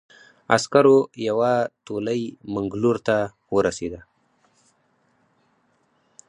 عسکرو یوه تولۍ منګلور ته ورسېده.